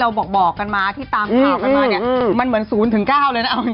เอาว่าคุณคงใช้วิจารณญาในการรับชมด้วยละกัน